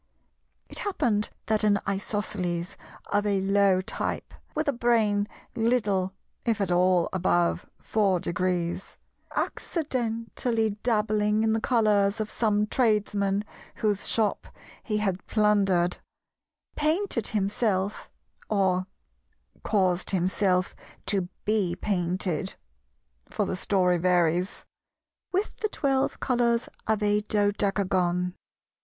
It happened that an Isosceles of a low type, with a brain little if at all above four degrees—accidentally dabbling in the colours of some Tradesman whose shop he had plundered—painted himself, or caused himself to be painted (for the story varies) with the twelve colours of a Dodecagon.